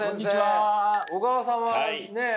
小川さんはね